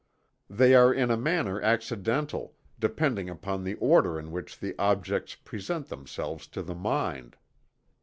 They are in a manner accidental, depending upon the order in which the objects present themselves to the mind.